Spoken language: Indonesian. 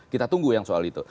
kita tunggu yang soal itu